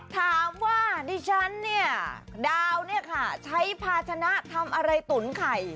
ถามว่าดิฉันเนี่ยดาวเนี่ยค่ะใช้ภาชนะทำอะไรตุ๋นไข่